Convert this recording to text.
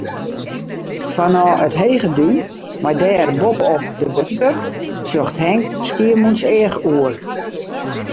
Fanôf it hege dún mei dêr boppe-op de bunker, sjocht Henk Skiermûntseach oer.